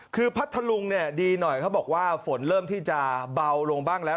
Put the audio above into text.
คือพัทธลุงเนี่ยดีหน่อยเขาบอกว่าฝนเริ่มที่จะเบาลงบ้างแล้ว